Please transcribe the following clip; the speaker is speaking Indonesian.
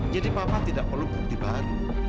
jadi papa tidak perlu bukti baru